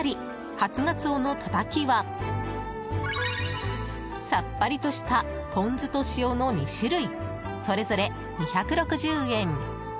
初ガツオのタタキはさっぱりとしたポン酢と塩の２種類、それぞれ２６０円。